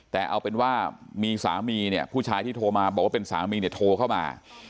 แต่เอาเป็นว่ามีสามีเนี่ยผู้ชายที่โทรมาบอกว่าเป็นสามีเนี่ยโทรเข้ามา